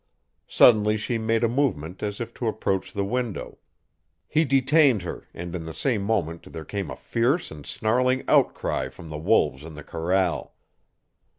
Suddenly she made a movement as if to approach the window. He detained her, and in the same moment there came a fierce and snarling outcry from the wolves in the corral.